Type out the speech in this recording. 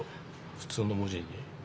普通の文字に。